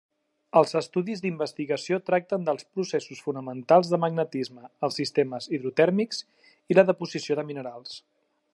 Els estudis d'investigació tracten dels processos fonamentals de magmatisme, els sistemes hidrotèrmics i la deposició de minerals.